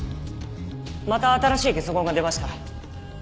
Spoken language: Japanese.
また新しいゲソ痕が出ました。